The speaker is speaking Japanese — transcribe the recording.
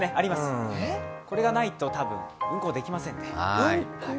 これがないと多分、運航できませんね。